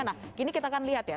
nah kini kita akan lihat ya